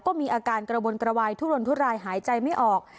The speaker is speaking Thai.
ก็มีอาการกระวนกระวายทุรนทุรายหายใจไม่ออก